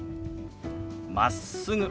「まっすぐ」。